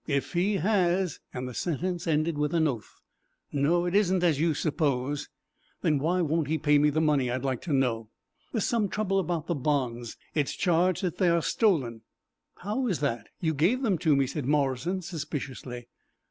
If he has " and the sentence ended with an oath. "No, it isn't as you suppose." "Then why won't he pay me the money, I'd like to know?" "There is some trouble about the bonds. It is charged that they are stolen." "How is that? You gave them to me," said Morrison, suspiciously.